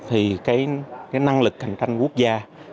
thì cái năng lực cạnh tranh quốc gia